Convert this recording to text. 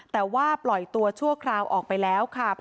แต่ว่าปล่อยตัวชั่วคราวออกไปแล้วค่ะ